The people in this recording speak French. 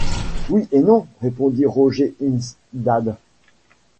Oui et non, répondit Roger Hinsdale.